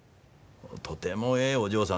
とてもええお嬢さん。